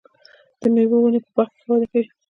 د مېوو ونې په باغ کې ښه وده کوي.